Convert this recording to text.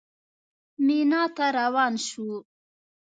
مینا ته روان شوو.